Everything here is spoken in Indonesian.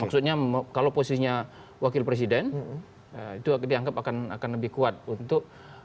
maksudnya kalau posisinya wakil presiden itu dianggap akan lebih kuat untuk secara politik memastikan stabilitas